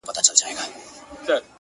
چي ژړل به یې ویلې به یې ساندي!